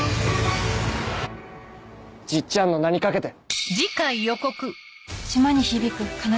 じっちゃんの名にかけて！